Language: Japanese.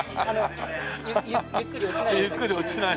ゆっくり落ちないように。